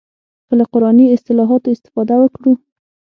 که له قراني اصطلاحاتو استفاده وکړو.